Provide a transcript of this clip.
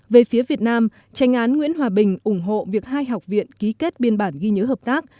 về phía việt nam tranh án nguyễn hòa bình ủng hộ việc hai học viện ký kết biên bản ghi nhớ hợp tác